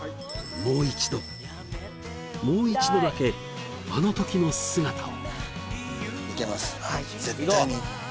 もう一度もう一度だけあの時の姿を！